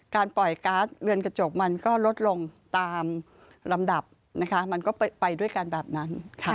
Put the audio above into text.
การปล่อยการ์ดเรือนกระจกมันก็ลดลงตามลำดับนะคะมันก็ไปด้วยกันแบบนั้น